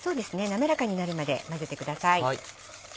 滑らかになるまで混ぜてください。